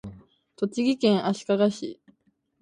栃木県足利市